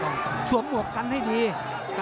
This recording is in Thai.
เผ่าฝั่งโขงหมดยก๒